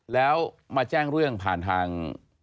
แล้วมาแจ้งเรื่องผ่านทาง